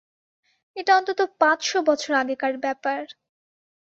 এটা অন্তত পাঁচ-শ বছর আগেকার ব্যাপার।